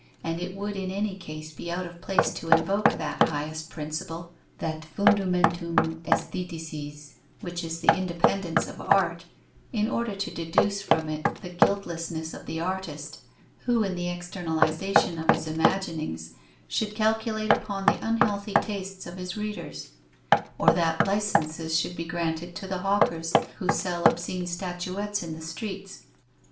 And it would in any case be out of place to invoke that highest principle, that fundamentum Aesthetices, which is the independence of art, in order to deduce from it the guiltlessness of the artist, who, in the externalization of his imaginings, should calculate upon the unhealthy tastes of his readers; or that licenses should be granted to the hawkers who sell obscene statuettes in the streets.